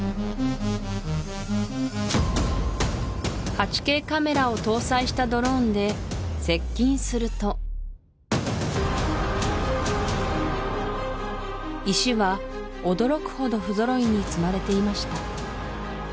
８Ｋカメラを搭載したドローンで接近すると石は驚くほど不ぞろいに積まれていました